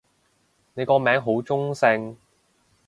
你個名好中性